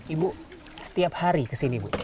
ibu setiap hari kesini ibu